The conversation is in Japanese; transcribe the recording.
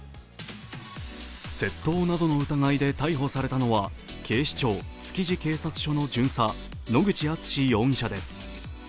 窃盗などの疑いで逮捕されたのは警視庁築地警察署の巡査、野口敦史容疑者です。